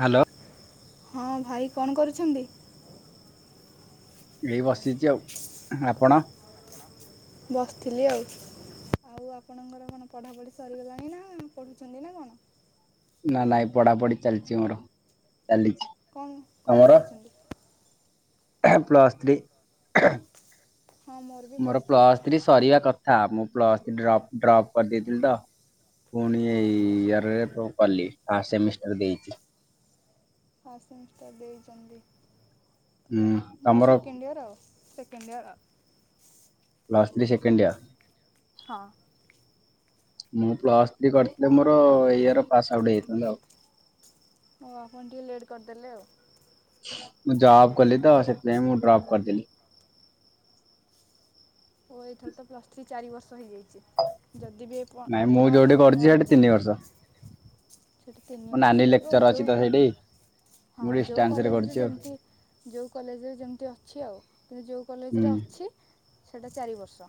Hello. ହଁ ଭାଇ କଣ କରୁଛନ୍ତି? ଏଇ ବସିଛି ଆଉ ଆପଣ? ବସିଥିଲି ଆଉ ଆଉ ଆପଣଙ୍କର କଣ ପଢାପଢି ସରିଗଲାଣି ନା ପଢୁଛନ୍ତି ନା କଣ? ନା ନାଇଁ ପଢା ପଢି ଚାଲିଛି ମୋର ଚାଲିଛି କଣ କଣ ତମର ପଢ଼ୁଛନ୍ତି? Plus three. ହଁ ମୋର ବି ମୋର୍ ପ୍ଲସ୍ ଥ୍ରୀ ପ୍ଲସ ଥ୍ରି ସାରିବା କ ହ ମୁଁ ପ୍ଲସ୍ ତ୍ରୀ ଡ୍ରପ ଡ୍ରପ୍ କରିଦେଇଥିଲି ତ। ପୁଣିି ହଁ ଏଇ ଇଆର୍ ରେ ପ କଲି ଫାଷ୍ଟ ସେମିଷ୍ଟାର ଦେଇଛି। ଫାଷ୍ଟ୍ ସେମିଷ୍ଟାର ଦେଇଛନ୍ତି? ହୁଁ ତମର? କେଣ୍ଡ ଇୟର ଆଉ। Plus three second year? ହଁ। ମୁଁ ପ୍ଲସ୍ ଥ୍ରୀ କରିଥିଲି ମୋର ଇଏ ଇର ପାସ୍ ଆଉଟ ହେଇଥାନ୍ତ ଆଉ। ହ ଆପଣ ଟିକେ ଲେଟ୍ କରିଦେଲେ ଆଉ। ମୁଁ ଜବ କଲି ତ ଆଉ ସେଥିପାଇଁ ମୁଁ ଡ୍ରପ୍ କରିଦେଲି। ଓ ଏଥର ତ ପ୍ଲୁସ ଥ୍ରୀ ଚାରି ବର୍ଷ ହେଇଯାଇଛି। ଯଦି ବି ଏପ ନାଇଁ ମୁଁ ଆପଣ ଯୋଉଠି କରୁଛି ସେଠି ତିନି ବର୍ଷ ସେଇଠି ମୋ ତିନି ନାନୀ ବର୍ଷ ହେଉ ଲେକ୍ଚର ଅଛି ଯେଉ ତ ସେଇଠି ହଁ ମୁଁ ଯଉ ଡିଷ୍ଟାନ୍ସ ରେ କଲେଜରେ କରୁଛି ଆଉ ଯେମିତି ଯଉ କଲେଜରେ ଯେମିତି ଅଛି ଆଉ କିନ୍ତୁ ଯେଉଁ ହୁଁ କଲେଜରେ ଅଛି ସେଟା ଚାରି ବର୍ଷ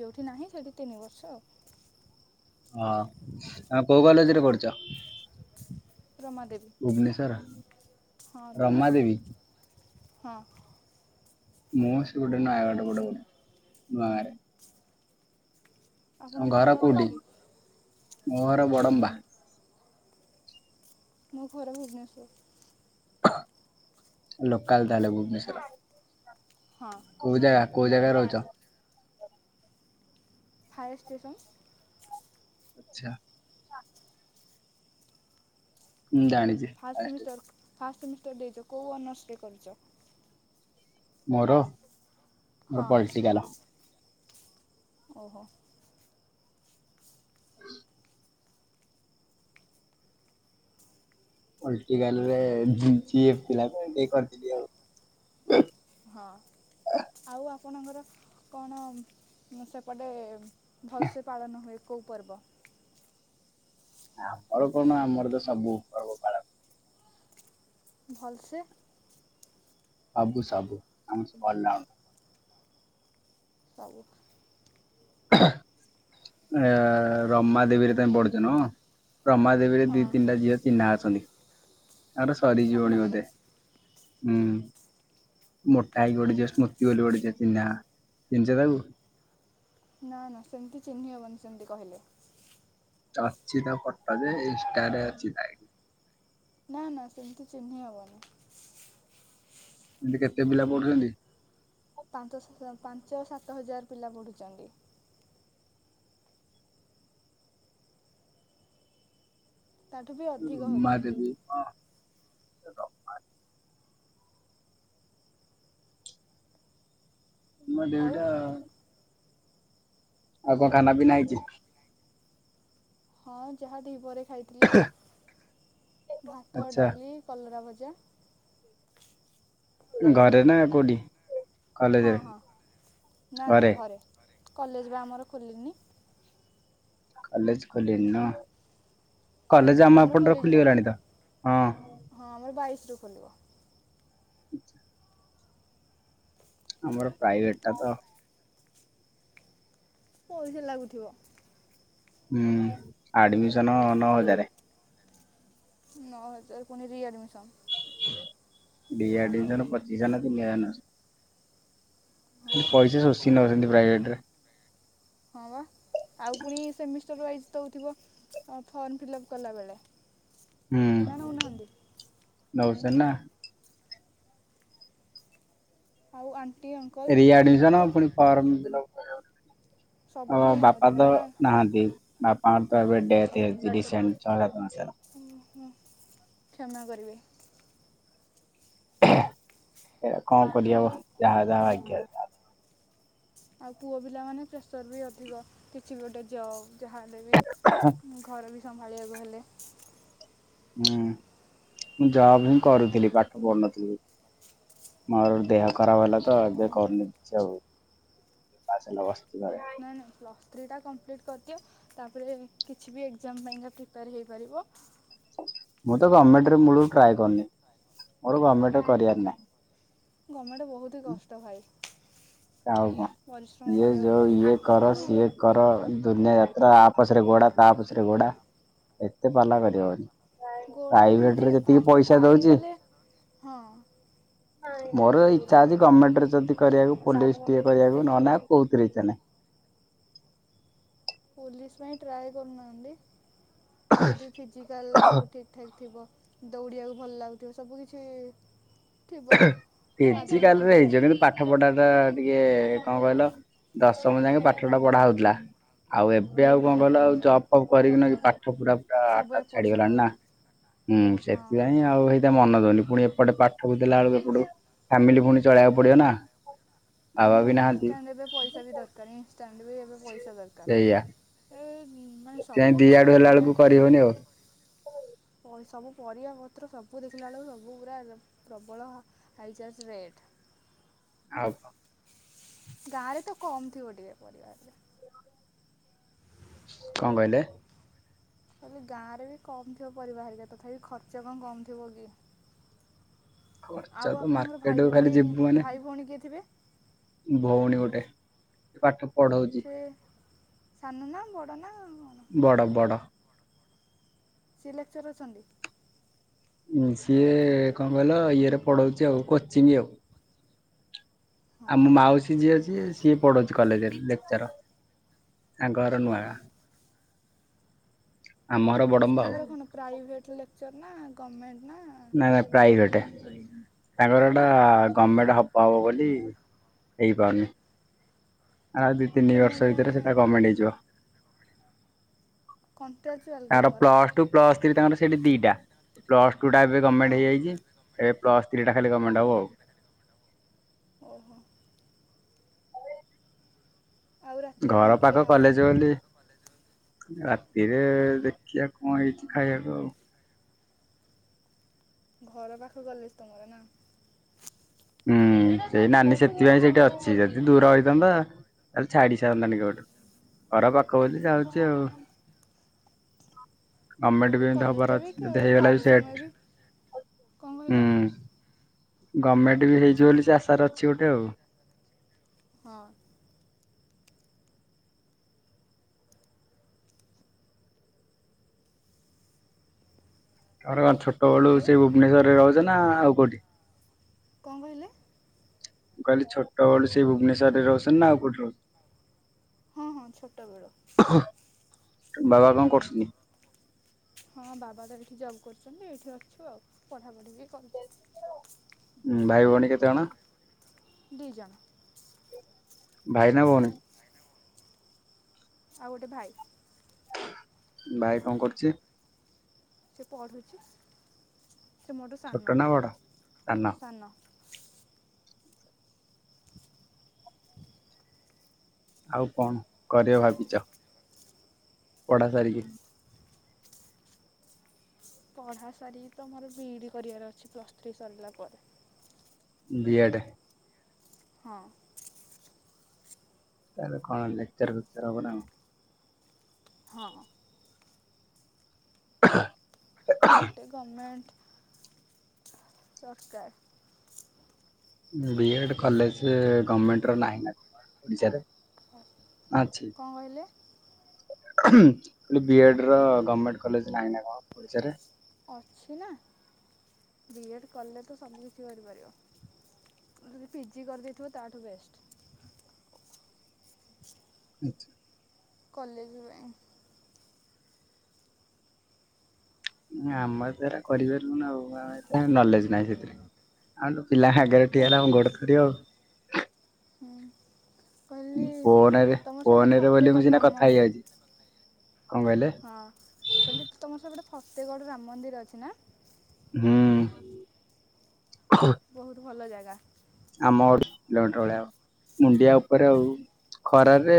ଯେଉଠି ନାହିଁ ସେଠି ତିନ ବର୍ଷ। ହଁ ଆଉ କୋଉ କଲେଜରେ କରୁଛ ରମାଦେବୀ ହଁ ଭୁବନେଶ୍ୱର ତମେ ରାମଦେବୀ ହଁ ମୂଁ କ ସେପଟୁ ନୟାଗଡ଼ ପଟ ନୟା ଆପଣଙ୍କ ଘର କୋଉଠି? ମୋର ବଡ଼ମ୍ବା। ମଁ ଘର ଭୁବେନେଶ୍ୱର। ଲୋକାଲ୍ ତାହଲେ ଭୁବନେଶ୍ଵର। ହଁ କୋଉ ଯାଗା? କଉ ଜାଗା ରହୁଛ? Fire station. ଆଚ୍ଛା। ଜାଣିଛି ଫାର୍ଷ୍ଟ ଫାୟେର ସ୍ଟେସନ। ସେମିଷ୍ଟର [inaudible] ଦେଇଛ କୋଉ ଅନର୍ଷ କରିଛ? ମୋର? ମ ହଁ ପଲଟିିକାଲ। ଓହୋ। ପଲଟୀକାଲ ରେ ଜି ଜି ଏଫ ଥିଲା ମୁ କରିଥିଲି ଆଉ। ହଁ ଆଉ ଆପଣଙ୍କର କଣ ସେପଟେ ଭଲସେ ପାଳାନ ହୁଏ। କୋଉ ପର୍ବ? ଆମର କଣ ଆମର ତ ସବୁ ପର୍ବ ପାଳନ। ଭଲସେ ସବୁ ସବୁ ଆମର ସବୁ ଭଲ। ସବୁ ଏ-ଏ-ଏ-ଏ ରମା ଦେବୀରେ ତମ ପଢୁଛ ନୁହ? ରମା ଦେବୀରେ ଦୀ ହଁ ତିନିଟା ଝିଅ ଚିହ୍ନା ଅଛନ୍ତି। ଆର ସରି ଯିବନି ଆପଣଙ୍କର ବୋଧେ? ହୁଁ ମୋଟା ହେଇକି ଗୋଟେ ଝିଅ ସ୍ମୃତି ବୋଲି ଗୋଟେ ଚିହ୍ନା ଚିହିଁଛ ତାକୁ? ନା ନା ସେମତି ଚିହ୍ନି ହବନି ସେମତି କହିଲେ। ଚଛି ତା ଫୋଟୋ ଯେ ଇଷ୍ଟଟାରେ ଅଛି ଆଇ ଡି। ନା ନା ସେମିତି ଚିହ୍ନି ହବନି। ଏମିତି କେତେ ପିଲା ପଠୁଛନ୍ତିି? ପାଞ୍ଚ ସାତ ପାଞ୍ଚ ସାତ ହଜାର ପିଲା ପଢ଼ୁଛନ୍ତି। ତାଠୁ ବି ଅଧି ଉମା ଦେବୀ ହଁ ର ଆଜ୍ ଉମା ଦେବୀ ଆଉ ଟା ଆଉ କଣ ଖାନା ପିନା ହେଈଛି? ହଁ ଯାହା ଦି ପହରେ ଖାଇଥିଲି ଆଉ ଭାତ ଆଚ୍ଛା ଡାଲି କଲରା ଭଜା ଅଜା ଘରେ ନା କୋଉଠି? ହଁ କଲେଜରେ ହଁ ନା ନା ଘରେ କଲେଜ୍ ବା ଆମର ଖୋଲିନି। କଲେଜ୍ ଖୋଲିନି ନାଁ କଲେଜ୍ ଆମ ତମର ଏପଟ ଖୋଲିଯିବନି ଖୋଲିଗଲାଣୀ ତ ହଁ ରୁ ଖୋଲିବ ଆଚ୍ଛା ଆମର ପ୍ରାଇଭେଟ୍ ଟା ତ ପଇସା ଲାଗୁଥିବ। ହୁଁ ଆଡ୍ ମିସନ ନଅ ହଜାର୍। ନଅ ହଜାର୍ ପୁଣୀ ରୀ ଆଡ୍ ମିଶନ୍। ଡି ଆଡ୍ ମିସନ୍ ପଚିସହ ନା ତିନି ହଜାର୍ ନା ହଁ ପଇସା ଶୋଷି ନୋଉଛନ୍ତୀ ପ୍ରାଇଭେଟ୍ ରେ ହଁ ବା ଆଉ ପୁଣି ସେମିଷ୍ଟର ୱାଇଜ୍ ଦେଉଥିବ ଫର୍ମ ଫିଲ୍ଅପ୍ କଲା ବେଳେ। ନା ନା ଉନାହାନଦୀ ନଉସ ନା ହଉ ଆନ୍ ରି ଆଡ୍ ମିଶନ ପୁଣି ଫର୍ମ ଫିଲପ୍ ଓ ସବୁଥିପାଇଁ ବାପା ନେଉଥିବେ ତ ଆଉ ଆ- ନାହାନ୍ତି। ବାପା ଙ୍କର ତ ଏବେ ଡେଥ୍ ହେଇ ଯାଇଛି। ଡିସେନ୍ ସଲ୍ ହୁଁ ହୁଁ କ୍ଷମା କରିବେ। ଦେଖ୍ୟା ଏବେ କଣ କରିହେଵ ଯାହା ଯାହା ଭାଗ୍ୟରେ ଆଉ ପୁଅ ପିଲା ମାନେ ପ୍ରେସର୍ ବି ଅଧିକ କିଛି ଗୋଟେ ଜବ୍ ଯାହା ହେଲେ ବି ଘର ବି ସମ୍ଭାଳିବାକୁ ହେଲେ ହୁଁ ଜବ୍ ବି କରୁଥିଲି ପାଠ ପଢୁ ନଥିଲି ମୋର ଦେହ ଖରାପ୍ ହେଲାତ ଏବେ କନୁଛି ଆଉ ପାସ୍ ହେଲା ପା ନାଇଁ ନାାଇଁ ପ୍ଲସ୍ ଥ୍ରୀ ଟା କଂପ୍ଲିଟ୍ କରିଦିଅ ତାପରେ କିଛି ବି ଏକ୍ଜାମ୍ ପାଈଁ କା ପ୍ରୀ ପାର୍ ହେଇପାରିବ ମୁଁ ତ ଗମେଣ୍ଟ ମୁଳୁ ରୁ ଟ୍ରାୟ କରିନି ମୋର ଗମେଣ୍ଟ କରିବାର ନାହିଁ। ଗମ୍ମେଣ୍ଟ ବହୁତ୍ କଷ୍ଟ ଖାଇ ଆଉ କଣ ଇଏ କରିବାକୁ ଯୋଉ ପଡ଼ିବ ଇଏ କର ଆଉ ସିଏ କର ଦୁନିଆ ଯା ଆ ପଛ ରେ ଗୋଡା ତା ପଛ ରେ ଗୋଡ଼ା ଏତେ ପାଲା କରିହବନି। ଗୋଡା ନାହିଁ ଯେ, ପ୍ରାଇଭେଟରେ ଯେତିକି ଫାଷ୍ଟ ପଇସା ଦଉଛି ପାଇଗଲେ ହଁ। ମୋର ଇଚଛା ଅଛି, ଗମେଣ୍ଟରେ ଯଦି କରିବାକୁ ପୋଲିସ ଟିକେ କରିବା ପାଇଁ, ନହେନେ ଆଉ କୋଉଁଥିରେ ଇଚ୍ଛା ନାହିଁ। ପୋଲିସ ପାଇଁ ଟ୍ରାଏ କରୁ ନାହାନ୍ତି। ଯଦି ଫିଜିକାଲ ସବୁ ଠିକ ଠାକ୍ ଥିବ ଦୌଡିବାକୁ ଭଲ୍ ଲାଗୁଥିବ ସବୁ କିଛି ଥିବ ଏ-ହେ ଆଗ୍ରହ ଫିଜିକାଲିରେ ଥିବ ହେଇଯିବ। କିନ୍ତୁ ପାଠ ପଢ଼ା ଟା ଟିକେ କଣ କହିଲ? ଦଶମ ଯାଏଁକେ ପଢ଼ିବେ ପାଠ ଆଉ ଟା କଣ ପଢ଼ା ହଉଥିଲା। ଆଉ ଏବେ ଆଉ କଣ ଭଲ ଆଉ ହଁ ଜବ୍ ଫପ୍ କରିକିନା କି ପା ପାଠ ପୁରା ପୁରା ସବୁ ଆଟାଚ୍ ଏପଟ ଛାଡିଗଲାଣି ନା ସେପଟ ହୁଁ ହଁ ସେଥିପାଇଁ ଆଉ ସେଇଟା ମନ ପୁଣି ପୁଣି ଏପଟେ ପା ସବୁ ଦେଲା ବେଳକୁ ଏପଟୁ ଫାମିଲି ପୁଣି ଚଳେଇବାକୁ ପଡିବ ନା। ବାବା କଣ ବି ଇନ୍ ନାହାନ୍ତି ଷ୍ଟଣ୍ଟ ଏବେ ପଇସା ବି ଦରକାର। ଇନ୍ସ ଷ୍ଟାଣ୍ଡ ବି ଏବେ ପଇସା ସେଇଆ। ଦରକାର। ଏ ହୁଁ ମାନେ ସେଥିପାଇଁ ସବୁ ଦି କିଛି ଆଡୁ ମାନେ ହେଲା ଏ ବେଳକୁ କରିହଉନି ଆଉ [inaudible] ପଇ ସବୁ ପରିବାପତ୍ର ସବୁ ଦେଖିଲା ବେଳକୁ ସବୁ ପୁରା ପ୍ରବଳ ହାଇଜାର୍ଜ ରେଟ୍। ଆଉ କଣ। ଗାଁରେ ତ କମ ଥିବ ଟିକେ ପରିବା ରେ କଣ କହିଲେ? ତେବେ ଗାଁରେ ବି କମ ଥିବ ପରିବା ହେରିକା ତଥାପି ଖର୍ଚ୍ଚ କଣ କମ ଥିବ କି? ଖର୍ଚ୍ଚ ଆଉ ତ ଆପଣଙ୍କର ଭାଇ ମାର୍କେଟକୁ ଖାଲି ଭଉଣୀ ଯିବୁ ମାନେ ଭାଇ ଭଉଣୀ କିଏ ଥିବେ? ଭଉଣୀ ଗୋଟେ। ସେ ପାଠ ପଢଉଛି ସେ ସାନ ନା ବଡ଼ ନା କଣ? ବଡ ବଡ ସେ ଲେକ୍ଚର ଅଛନ୍ତି? ଉଁ ସିଏ କଣ କହିଲ ଇଏରେ ପଢ଼ଉଛି ଆଉ କୋଚିଂ ଆଉ। [inaudible] ଆଉ ହଁ ମୋ ମାଉସୀ ଝିଅ ଅଛି ସିଏ ସିଏ ପଢଉଛି କଲେଜରେ ଲେକ୍ଚର। ଆ ଘର ନୁଆଗାଁ। [unintelligible] ବଡମ୍ବା ଆଉ ତାଙ୍କର କଣ? ପ୍ରାଇଭେଟ ଲେକ୍ଚର ନା ଗମେଣ୍ଟ ନା ନାଇଁ ନାଇଁ ପ୍ରାଇଭେଟେ। ତାଙ୍କର ଏଟା ଗମେଣ୍ଟ ହବ ହବ ବୋଲି ହେଇପାରୁନି। ଆଉ ଦି ତିନି ଗଭର୍ଣ୍ଣମେଣ୍ଟ ବର୍ଷ ଭିତରେ ସେଟା ଗମେଣ୍ଟ ପାଇଁ ହେଇଯିବ। କଣ୍ଟ୍ରାଚୁଆଲ୍ କି ତାର ତାଙ୍କର ପ୍ଲସ ଟୁ ପ୍ଲସ ଥ୍ରୀ ତାଙ୍କର ସେଠି ଦିଟା ପ୍ଲସ୍ ଟା ହଁ ଗମେଣ୍ଟ ହେଇଯାଇଛି। ଏବେ ପ୍ଲସ୍ ଏଇଟା ଖାଲି ଗମେଣ୍ଟ ହବ ଆଉ। ଓହୋ। ଆଉ ରାତିରେ କଣ ଘର ଖିଆ ପାଖ ହବ କଲେଜ ବୋଲି ରା ହିରେ ଦେଖିବା କଣ ହେଇଛି ଖାଇବାକୁ ଆଉ। ଘର ପାଖ କଲେଜ ତମର ନା? ହୁଁ ସେଇ ନାନୀ ସେଥିପାଇଁ ସେଇଠି ଅଛି ଯଦି ଦୂର ହେଇଥାନ୍ତା ତାହଲେ ଛାଡି ସାରନ୍ତାଣି କେବେଠୁ ଘର ପାଖ ବୋଲି ଯାଉଛି ଆଉ। ଗମେଣ୍ଟ ବି ଏମିତି କଲେଜରେ ହବାର ବି ଅଛି ଯଦି ହେଇଗଲା ବି କମ୍ ସମୟ ସେଟ କଣ ହୁଁ। କହିଲ ଗଭମେଣ୍ଟ ବି ହେଇଯିବ ବୋଲି ସେ ଆଶାରେ ଅଛି ଗୋଟେ ଆଉ। ହଁ। ଆଉ ନୁହେଁ ଛୋଟବେଳୁ ହ୍ୟାଲୋ ସେ ଭୁବନେଶ୍ୱରରେ ରହୁଛନ୍ତି। ନା ଆଉ କୋଉଠି? କଣ କହିଲେ? ମୁଁ କହିଲି ଛୋଟବେଳୁ ସେ ଭୁବନେଶ୍ୱରରେ ରହୁଛନ୍ତି ନା ଆଉ କୋଠି ରହୁଛ? ହଁ ହଁ ଛୋଟ ବେଳୁ। ବାବା କଣ କରୁସନ୍ତି? ହଁ ବାବା ତ ଏଇଠି ଜବ୍ କରୁଛନ୍ତି ଏଇଠି ଅଛୁ ଆଉ ପଢ଼ାପଢ଼ି ବି କରୁଛି। ହୁଁ ଭାଇ ଭଉଣୀ କେତେ ଜଣ? ଦି ଜଣ। ଭାଇ ନା ଭଉଣୀ? ଆଉ ଗୋଟେ ଭାଇ। ଭାଇ କଣ କରୁଛି? ସେ ପଢୁଛି। ସେ ମୋଠୁ ଛୋଟ ସାନ ନା ବଡ? ସାନ ଆଉ କଣ କରିଵ ଭାବିଛ? ପଢା ସାରିକି? ପଢ଼ା ସାରିକି ତ ମୋର ବିଇଡି କରିବାର ଅଛି ପ୍ଲସ୍ ଥ୍ରୀ ସରିଲା ପରେ। ବିଆଡେ ହଁ। ତାହେଲେ କଣ ଲେକ୍ଚର ଫେକ୍ଚର୍ ହବ ନା କଣ? ହଁ। [inaudible] ଗୋଟେ ଗମେଣ୍ଟ ସରକାର ବିଏଡ କଲେଜରେ ଗମେଣ୍ଟ ର ନାହିଁ ନା କଣ ଓଡିଶାରେ? କଣ ଅଛି କହିଲେ? କହିଲି ବିଏଡର ଗମେଣ୍ଟ କଲେଜ ନାହିଁ ନା କଣ ଓଡ଼ିଶାରେ? ଅଛି ନା ବିଏଡ କଲେଜ ତ ସବୁ କିଛି କରିପାରିବ ଯଦି ପିଜି କରିଦେଇଥିବ ତାଠୁ ବେଷ୍ଟ। ଆଚ୍ଛା। କଲେଜ ପାଇଁ ଆମର ସେରା କରିପାରିବୁନି ଆମର ସେଥିପାଇଁ ନଲେଜ ନାହିଁ ସେଥିରେ ଆଉ ପିଲା ଆଗରେ ଠିଆ ହେଲା ତମର ମୋ ଗୋଡ ଥରିଵ ଆଉ। [inaudible] ହୁଁ [inaudible] କହିଲି ଫୋନରେ ତମର ସେ ପଟେ ଫୋନରେ ବୋଲି ଫତେ ମୁଁ ଗଡ଼ ସିନା ରାମ କଥା ମନ୍ଦିର ହେଇଯାଉଛି କଣ କହିଲେ [inaudible] ହଁ କହିଲି ତମର ସ ପଟେ ଫତେଗଡ଼ ରାମ ମନ୍ଦିର ଅଛି ନା? ହୁ ବହୁତ ଭଲ ଜାଗା। ଆମ [unintelligible] ମୁଣ୍ଡିଆ ଉପରେ ଆଉ ଖରାରେ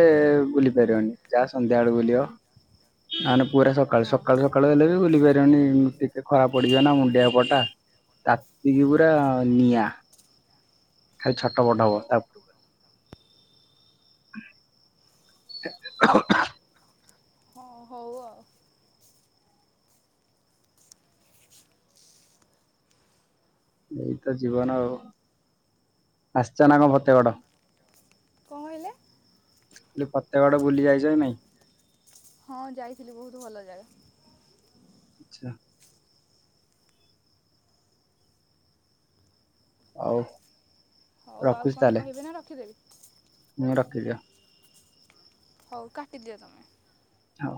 ବୁଲି ପାରିବନି ଯାହା ସନ୍ଧ୍ୟା ବେଳକୁ ବୁଲିବ [inaudible] ପୁରା ସକାଳୁ ହଁ ସକା ସକାଳୁ ହେଲେ ବି ବୁଲି [unintelligible] ମୁଣ୍ଡିଆପଟା ତାତିକି ପୁରା ନିଆଁ। ଖାଲି ଛଟ ପଟ [inaudible] [inaudible] ହଁ ହଉ ଆଉ ଏଇ ତ ଜୀବନ ଆଉ [inaudible] ଆସିଛ ନା ଫତେଗଡ଼ [inaudible] କ'ଣ କହିଲେ ଖାଲି ଫତେଗଡ଼ ବୁଲି ଯାଇଛ କି ନାଇଁ। ହଁ ଯାଇଥିଲି ବହୁତ ଭଲ ଜାଗା। ଆଛା। ଆଉ। ହଉ ଆଉ କଣ କହିବେ ନା ରଖିଦେବି। ହୁଁ ରଖିଦିଅ। ହଉ, କାଟିଦିଅ ତମେ। ହଉ।